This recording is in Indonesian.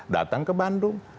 datang ke bandung